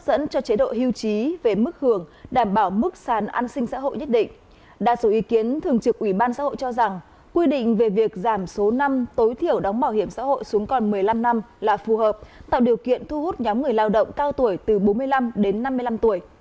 tạo điều kiện thu hút nhóm người lao động cao tuổi từ bốn mươi năm đến năm mươi năm tuổi